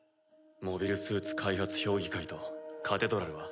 モビルスーツ開発評議会とカテドラルは？